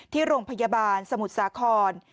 ที่โรงพยาบาลสมุทรสาคร